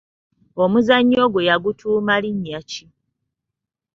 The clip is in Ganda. Omuzannyo ogwo yagutuuma linnya ki?